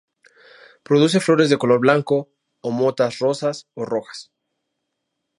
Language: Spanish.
Produce flores de color blanco con motas rosas o rojas.